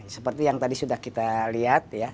seperti yang tadi sudah kita lihat ya